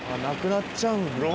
なくなっちゃうんだ。